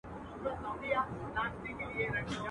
د سودا اخیستل هر چاته پلمه وه.